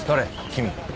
君。